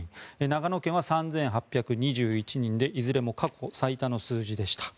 長野県は３８２１人でいずれも過去最多の数字でした。